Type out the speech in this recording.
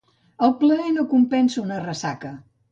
El plaer no compensa una ressaca.